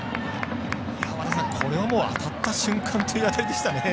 和田さん、これはもう当たった瞬間という当たりでしたね。